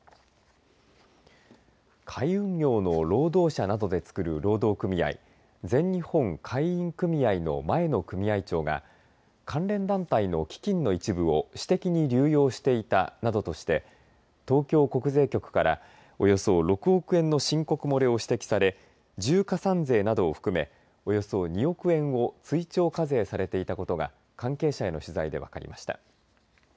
海運業の労働者などでつくる労働組合全日本海運組合の前の組合長が関連団体の基金の一部を私的に流用していたなどとして東京国税局からおよそ６億円の申告漏れを指摘され重加算税などを含めおよそ２億円を追徴課税されていたことが関係者への取材で分かりました。